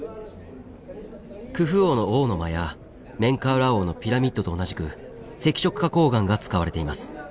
クフ王の「王の間」やメンカウラー王のピラミッドと同じく赤色花こう岩が使われています。